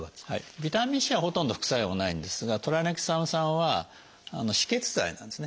ビタミンＣはほとんど副作用がないんですがトラネキサム酸は止血剤なんですね。